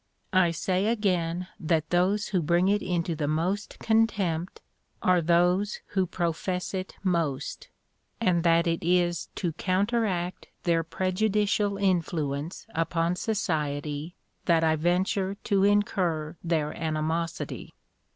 I say again that those who bring it into the most contempt are those who profess it most, and that it is to counteract their prejudicial influence upon society that I venture to incur their animosity.